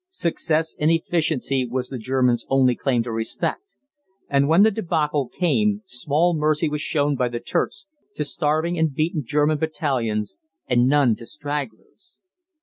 Success and efficiency was the Germans' only claim to respect, and when the débâcle came small mercy was shown by the Turks to starving and beaten German battalions and none to stragglers.